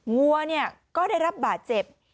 หัวก็ได้รับบาดเจ็บ